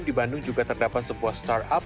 di bandung juga terdapat sebuah startup